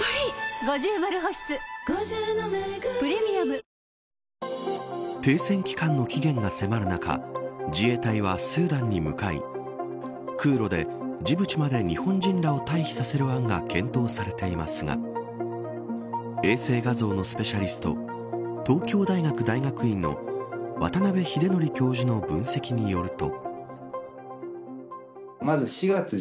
電動アシストブラシ誕生停戦期間の期限が迫る中自衛隊はスーダンに向かい空路でジブチまで日本人らを退避させる案が検討されていますが衛星画像のスペシャリスト東京大学大学院の渡邉英徳教授の分析によると。